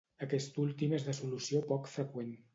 Aquest últim és de solució poc freqüent.